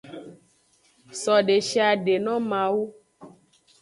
So deshiade no mawu.